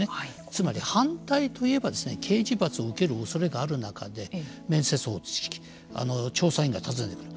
つまり反対と言えば刑事罰を受けるおそれがある中で面接で調査員が尋ねる。